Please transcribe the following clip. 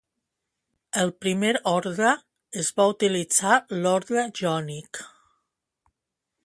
Pel primer ordre, es va utilitzar l'ordre jònic.